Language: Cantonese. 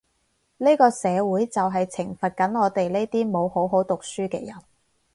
呢個社會就係懲罰緊我哋呢啲冇好好讀書嘅人